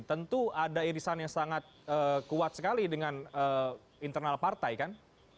tentu ada irisan yang sangat kuat sekali dengan internal partai kan